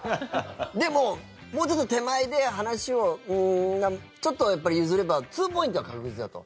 でも、もうちょっと手前で話をちょっと譲ればツーポイントは確実だと。